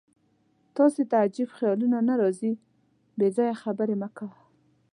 تاسې ته عجیب خیالونه نه راځي؟ بېځایه خبرې مه کوه.